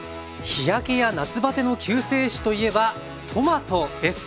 日焼けや夏バテの救世主といえばトマトです。